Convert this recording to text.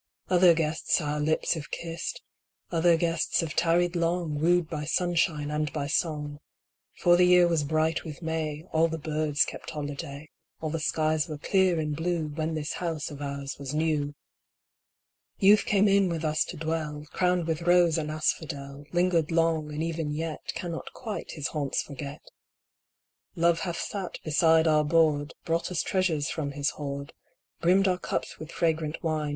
Other guests our lips have kissed : Other guests have tarried long, Wooed by sunshine and by song ; For the year was bright with May, All the birds kept holiday, All the skies were clear and blue, When this house of ours was new. Youth came in with us to dwell. Crowned with rose and asphodel. Lingered long, and even yet Cannot quite his haunts forget. Love hath sat beside our board. Brought us treasures from his hoard. Brimmed our cups with fragrant wine.